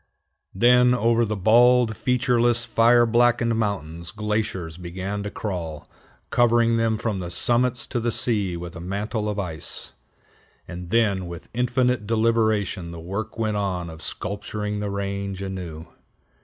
Then over the bald, featureless, fire blackened mountains, glaciers began to crawl, covering them from the summits to the sea with a mantle of ice; and then with infinite deliberation the work went on of sculpturing the range anew.